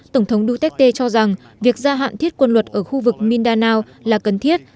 tổng thống duterte cho rằng việc gia hạn thiết quân luật ở khu vực mindanao là cần thiết